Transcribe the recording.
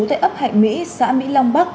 tại ấp hạng mỹ xã mỹ long bắc